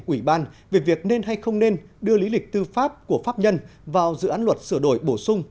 ủy ban về việc nên hay không nên đưa lý lịch tư pháp của pháp nhân vào dự án luật sửa đổi bổ sung